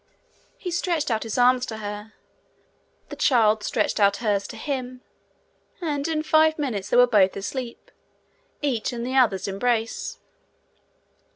He stretched out his arms to her, the child stretched out hers to him, and in five minutes they were both asleep, each in the other's embrace.